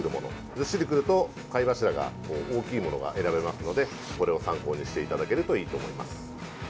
ずっしりくると貝柱が大きいものが選べますのでこれを参考にしていただけるといいと思います。